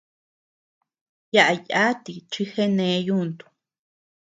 Yaʼa yáti chi genee yuntu.